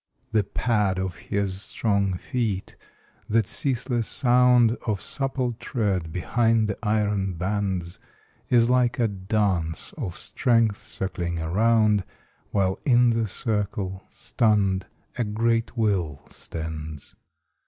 The pad of his strong feet, that ceaseless sound Of supple tread behind the iron bands, Is like a dance of strength circling around, While in the circle, stunned, a great will stands.